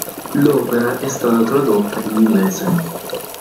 L'opera è stata tradotta in inglese.